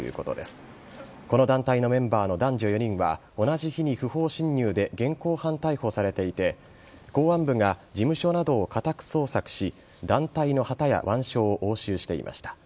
この団体のメンバーの男女４人は同じ日に不法侵入で現行犯逮捕されていて公安部が事務所などを家宅捜索し団体の旗や腕章を押収していました。